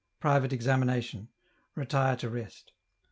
Private Examination. Retire to rest.